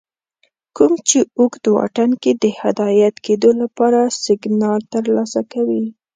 کوم چې اوږد واټن کې د هدایت کېدو لپاره سگنال ترلاسه کوه